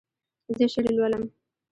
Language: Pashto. زه شعر لولم.